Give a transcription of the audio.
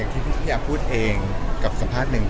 พี่แอฟพูดเองกับสภาษณ์หนึ่ง